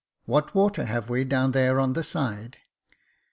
What water have we down here on the side